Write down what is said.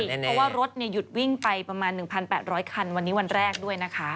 เพราะว่ารถหยุดวิ่งไปประมาณ๑๘๐๐คันวันนี้วันแรกด้วยนะคะ